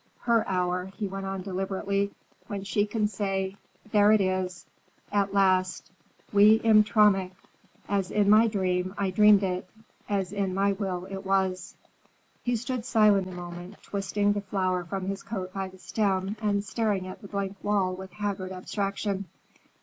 Her hour," he went on deliberately, "when she can say, 'there it is, at last, wie im Traum ich— "'As in my dream I dreamed it, As in my will it was.'" He stood silent a moment, twisting the flower from his coat by the stem and staring at the blank wall with haggard abstraction.